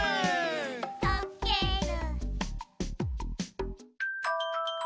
「とける」